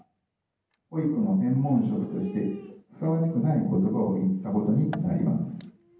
保育の専門職としてふさわしくないことばを言ったことになります。